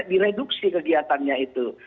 direduksi kegiatannya itu